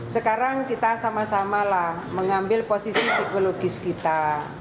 sekarang kita sama samalah mengambil posisi psikologis kita